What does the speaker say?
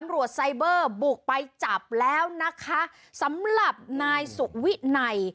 ไซเบอร์บุกไปจับแล้วนะคะสำหรับนายสุวินัย